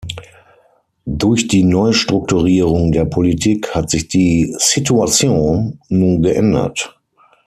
Durch die Neustrukturierung der Politik hat sich die Situation nun geändert.